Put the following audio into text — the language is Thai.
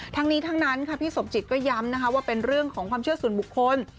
ทั้งนี้ทั้งนั้นค่ะพี่สมจิตก็ย้ำนะคะว่าเป็นเรื่องของความเชื่อส่วนบุคคล